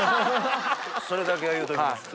それだけは言うときます。